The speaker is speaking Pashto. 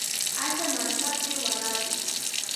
عصر معرفت پرې ولاړ دی.